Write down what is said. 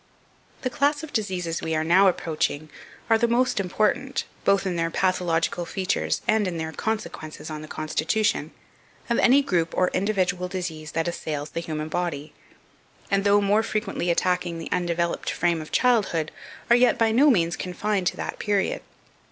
The class of diseases we are now approaching are the most important, both in their pathological features and in their consequences on the constitution, of any group or individual disease that assails the human body; and though more frequently attacking the undeveloped frame of childhood, are yet by no means confined to that period.